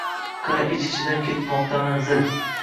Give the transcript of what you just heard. Qara, ich-ichimdan ketmoqdaman zil